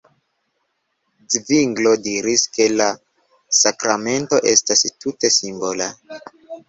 Zvinglo diris, ke la sakramento estas tute simbola.